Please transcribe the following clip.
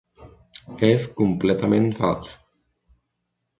És completament fals.